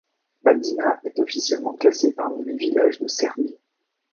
Padina est officiellement classé parmi les villages de Serbie.